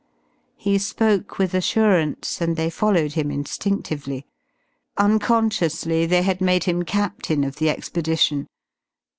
He spoke with assurance, and they followed him instinctively. Unconsciously they had made him captain of the expedition.